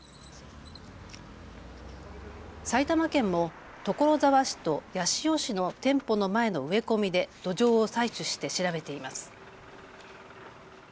埼玉県も所沢市と八潮市の店舗の前の植え込みで土壌を採取して調べています。